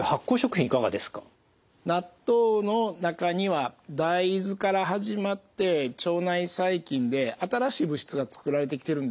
納豆の中には大豆から始まって腸内細菌で新しい物質が作られてきてるんですね。